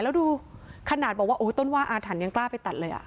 แล้วดูขนาดบอกว่าต้นว่าอาถรรย์ยังกล้าไปตัดเลย